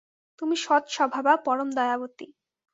তুমি সৎস্বভাবা, পরম দয়াবতী।